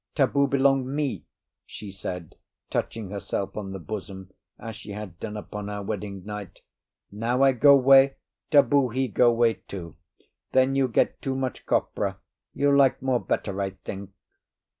Taboo belong me," she said, touching herself on the bosom, as she had done upon our wedding night. "Now I go 'way, taboo he go 'way too. Then you get too much copra. You like more better, I think.